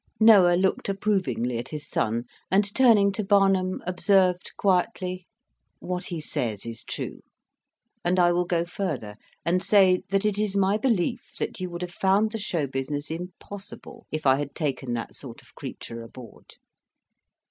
Noah looked approvingly at his son, and, turning to Barnum, observed, quietly: "What he says is true, and I will go further and say that it is my belief that you would have found the show business impossible if I had taken that sort of creature aboard.